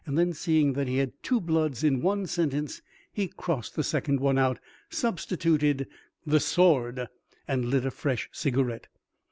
Then seeing that he had two "bloods" in one sentence, he crossed the second One out, substituted "the sword," and lit a fresh cigarette.